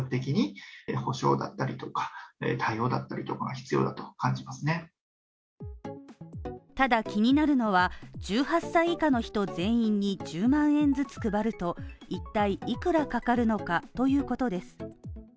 ひとり親家庭を支援する団体はただ気になるのは１８歳以下の人全員に１０万円ずつ配ると一体いくらかかるのかということです。